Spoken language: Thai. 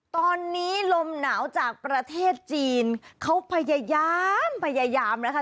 ตอนนี้ลมหนาวจากประเทศจีนเขาพยายามพยายามนะคะ